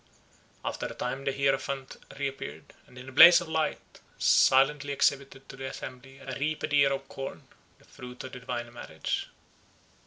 After a time the hierophant reappeared, and in a blaze of light silently exhibited to the assembly a reaped ear of corn, the fruit of the divine marriage.